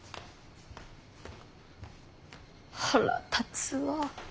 腹立つわぁ。